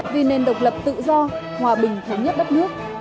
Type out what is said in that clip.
vì nền độc lập tự do hòa bình thống nhất đất nước